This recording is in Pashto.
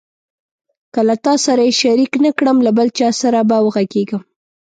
که له تا سره یې شریک نه کړم له بل چا سره به وغږېږم.